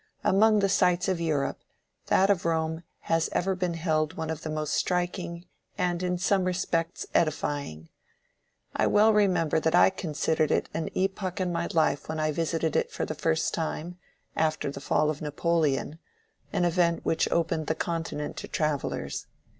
Among the sights of Europe, that of Rome has ever been held one of the most striking and in some respects edifying. I well remember that I considered it an epoch in my life when I visited it for the first time; after the fall of Napoleon, an event which opened the Continent to travellers.